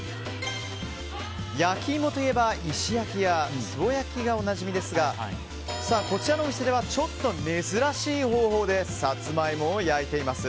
焼き芋といえば、石焼きやつぼ焼きがおなじみですがこちらのお店ではちょっと珍しい方法でサツマイモを焼いています。